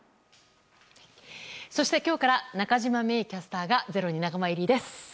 そして、今日から中島芽生キャスターが「ｚｅｒｏ」に仲間入りです。